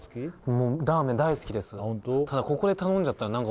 もうラーメン大好きですねえ